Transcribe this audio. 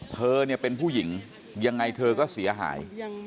เธอเนี่ยเป็นผู้หญิงยังไงเธอก็เสียหาย